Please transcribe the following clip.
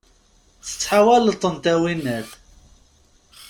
Tettḥawaleḍ-tent, a winnat!